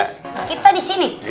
kita di sini